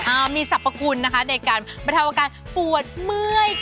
อ่ามีสรรพคุณนะคะในการบรรเทาอาการปวดเมื่อย